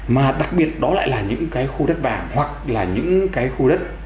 mà đặc biệt đó lại là những cái khu đất vàng hoặc là những cái khu đất